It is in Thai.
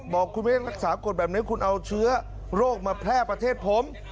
บอกคุณไม่ได้รักษากฎแบบนี้คุณเอาเชื้อโรคมาแพร่ประเทศผม